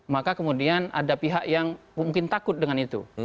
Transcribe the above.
maka kemudian ada pihak yang mungkin takut dengan itu